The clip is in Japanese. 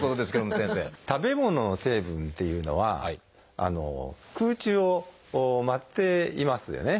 食べ物の成分っていうのは空中を舞っていますよね。